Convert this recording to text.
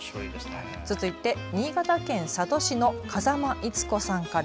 続いて新潟県佐渡市の風間イツ子さんから。